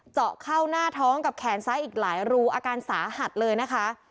เจาะเข้าหน้าท้องกับแขนซ้ายอีกหลายรูอาการสาหัสเลยนะคะ